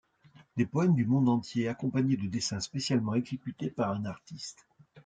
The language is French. Des poèmes du monde entier, accompagnés de dessins spécialement exécutés par un artiste.